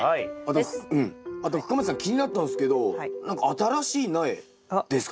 あと深町さん気になったんすけど何か新しい苗ですか？